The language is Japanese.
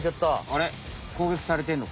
あれ？